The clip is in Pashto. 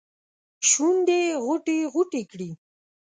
شونډې غوټې ، غوټې کړي